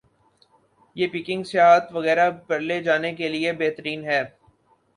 ۔ یہ پکنک ، سیاحت وغیرہ پرلے جانے کے لئے بہترین ہے۔